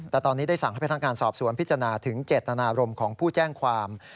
แต่ตอนนี้ได้สั่งให้พนักงานสอบสวนพิจารณาถึงเจตนารมณ์ของผู้แจ้งความ